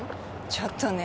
ちょっとね。